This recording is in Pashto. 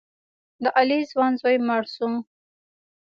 د علي ځوان زوی مړ شو.